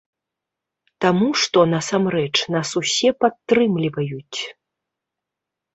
Таму што насамрэч нас усе падтрымліваюць.